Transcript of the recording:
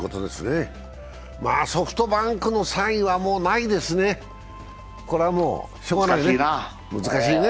ソフトバンクの３位はもうないですね、難しいね。